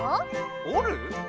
おる？